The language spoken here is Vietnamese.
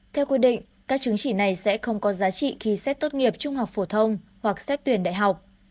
theo quy định các chứng chỉ này sẽ không có giá trị khi xét tốt nghiệp trung học phổ thông hoặc xét tuyển đại học